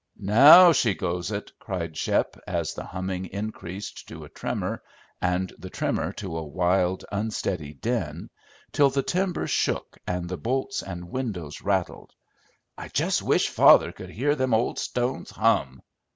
"Now she goes it!" cried Shep, as the humming increased to a tremor, and the tremor to a wild, unsteady din, till the timbers shook and the bolts and windows rattled. "I just wish father could hear them old stones hum."